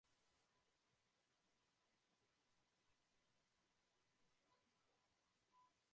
Muchas de las procesiones de Semana Santa hacen su recorrido por la Plaza.